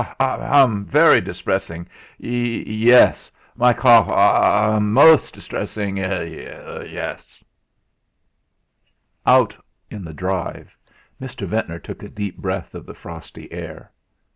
ha h'h'.! Very distressing. Ye hes! My cough ah! ha h'h'.! Most distressing. Ye hes!" Out in the drive Mr. Ventnor took a deep breath of the frosty air.